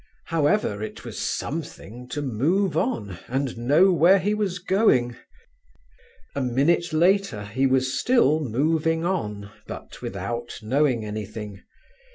However, it was something to move on and know where he was going. A minute later he was still moving on, but without knowing anything.